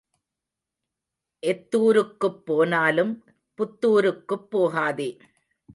எத்தூருக்குப் போனாலும் புத்தூருக்குப் போகாதே.